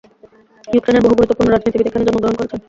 ইউক্রেনের বহু গুরুত্বপূর্ণ রাজনীতিবিদ এখানে জন্মগ্রহণ করেছেন।